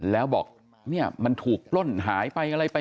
แล้วบอกเนี่ยมันถูกปล้นหายไปอะไรไป